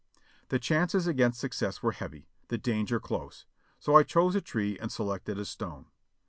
The chances against success were heavy ; the danger close. So I chose a tree and selected a stone.